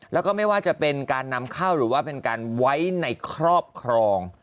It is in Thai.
แล้วก็ไม่ว่าจะเป็นการนำเข้าหรือว่าเป็นการไว้ในครอบครอง